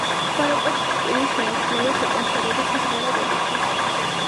ბაროკოს სტილი შეიმჩნევა სეკვენსერების ჟღერადობაში.